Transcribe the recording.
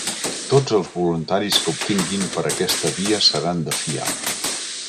Tots els voluntaris que obtinguin per aquesta via seran de fiar.